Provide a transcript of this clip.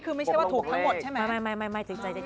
คือไม่ใช่ว่าถูกทั้งหมดใช่ไหมไม่ไม่ไม่ไม่ไม่จริงจริงจริง